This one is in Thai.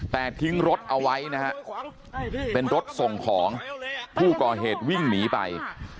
แต่ทิ้งรถเอาไว้นะฮะเป็นรถส่งของผู้ก่อเหตุวิ่งหนีไป